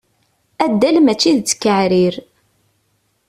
Addal mačči d ttkeɛrir.